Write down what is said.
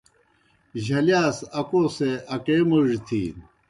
جھلِیا سہ اکوسے اکے موڙیْ تِھینوْ۔